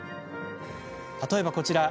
例えば、こちら。